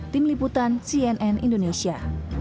tim liputan cnn indonesia